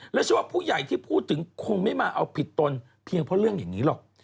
แล้วเชื่อว่าผู้ใหญ่ที่พูดถึงคงไม่มาเอาผิดตนเพียงเพราะเรื่องอย่างนี้หรอก